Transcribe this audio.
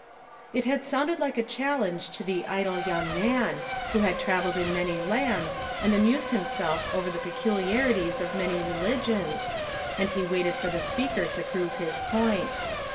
' It had sounded like a challenge to the idle young man, who had traveled in many lands and amused himself over the peculiarities of many religions, and he waited for the speaker to prove his point.